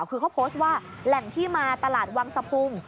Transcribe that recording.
คือเขาโพสต์ว่าแหล่งที่มาตลาดวังสะพุง